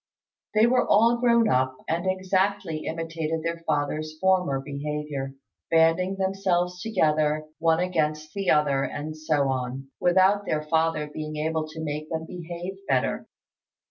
They were all grown up, and exactly imitated their father's former behaviour, banding themselves together one against the other, and so on, without their father being able to make them behave better.